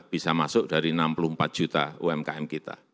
bisa masuk dari enam puluh empat juta umkm kita